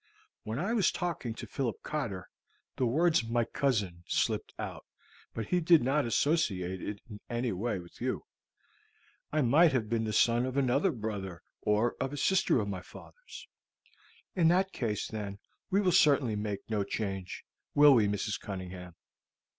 When I was talking to Philip Cotter, the words 'my cousin' slipped out, but he did not associate it in any way with you. It might have been the son of another brother or of a sister of my father's." "In that case, then, we will certainly make no change, will we, Mrs. Cunningham?"